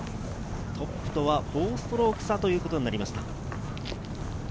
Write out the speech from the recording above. トップとは４ストローク差ということになりました。